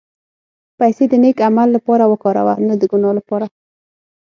پېسې د نېک عمل لپاره وکاروه، نه د ګناه لپاره.